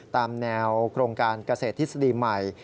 ตามแนวโครงการเกษตรทฤษฎีใหม่